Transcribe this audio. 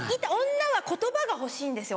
女は言葉が欲しいんですよ